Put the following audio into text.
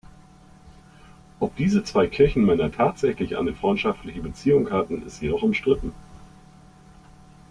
Ob diese zwei Kirchenmänner tatsächlich eine freundschaftliche Beziehung hatten, ist jedoch umstritten.